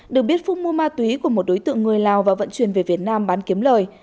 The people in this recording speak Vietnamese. được biết phúc mua ma túy của một đối tượng người lào và vận chuyển về việt nam bán kiếm lời